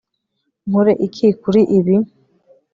Nkore iki kuri ibi